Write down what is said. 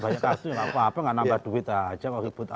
banyak kartu yang gak apa apa gak nambah duit aja kok ribut amat